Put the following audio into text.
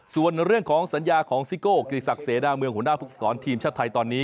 ส่วนเรื่องของสัญญาของซิโก้กิริศักดิเสดาเมืองหัวหน้าภูมิสอนทีมชาติไทยตอนนี้